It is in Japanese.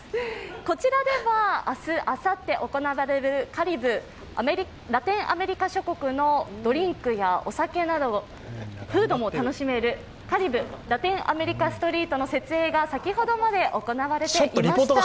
こちらでは明日、あさって行われるカリブ、ラテンアメリカ諸国のドリンクやお酒など、フードも楽しめるカリブ・ラテンアメリカストリートの設営が先ほどまで行われていました。